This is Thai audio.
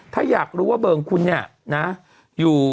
ถ้าอยากรู้ว่าเบอร์ของคุณเนี่ย